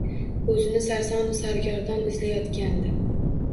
O’zini sarsonu sargardon izlayotgandi.